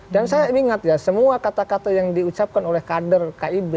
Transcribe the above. dan saya ingat ya semua kata kata yang diucapkan oleh kader kib ya